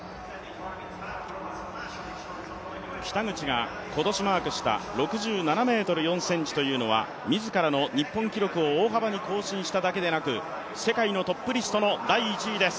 北口が今年マークした６７ｍ４ｃｍというのは自らの日本記録を大幅に更新しただけでなく世界のトップリストの第１位です。